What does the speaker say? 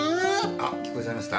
あ聞こえちゃいました？